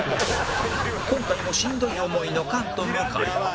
今回もしんどい思いの菅と向井